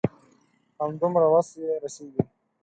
همدومره وس يې رسيږي.